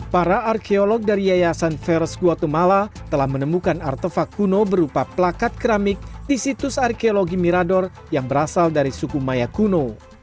para arkeolog dari yayasan feros guatumala telah menemukan artefak kuno berupa plakat keramik di situs arkeologi mirador yang berasal dari suku maya kuno